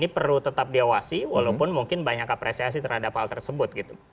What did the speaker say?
ini perlu tetap diawasi walaupun mungkin banyak apresiasi terhadap hal tersebut gitu